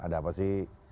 ada apa sih